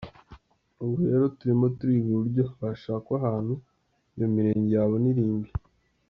Ubu rero turimo turiga uburyo hashakwa ahantu iyo mirenge yabona irimbi.